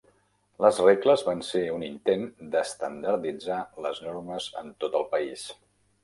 Les regles van ser un intent d'estandarditzar les normes en tot el país.